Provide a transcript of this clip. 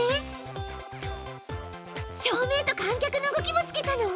照明と観客の動きもつけたの？